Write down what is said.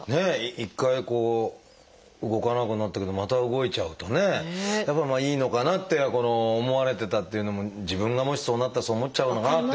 一回こう動かなくなったけどまた動いちゃうとねやっぱりいいのかなって思われてたっていうのも自分がもしそうなったらそう思っちゃうのかなって。